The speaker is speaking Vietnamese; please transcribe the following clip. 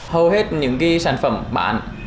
hầu hết những sản phẩm bán